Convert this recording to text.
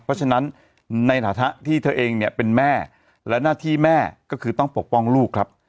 เพราะฉะนั้นในฐานะที่เธอเองเนี่ยเป็นแม่และหน้าที่แม่ก็คือต้องปกป้องลูกครับ